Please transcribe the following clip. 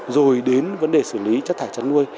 rồi đến vấn đề xử lý chất thải chăn nuôi